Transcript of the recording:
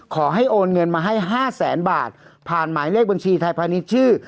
โอนเงินมาให้๕แสนบาทผ่านหมายเลขบัญชีไทยพาณิชย์ชื่อ